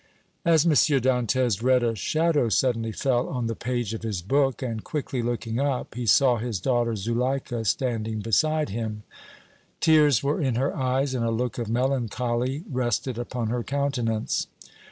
As M. Dantès read a shadow suddenly fell on the page of his book, and quickly looking up he saw his daughter Zuleika standing beside him; tears were in her eyes and a look of melancholy rested upon her countenance.